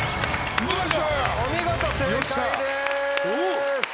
お見事正解です。